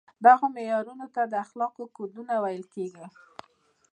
دغو معیارونو ته د اخلاقو کودونه ویل کیږي.